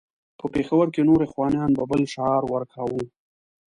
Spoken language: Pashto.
په پېښور کې نور اخوانیان به بل شعار ورکاوه.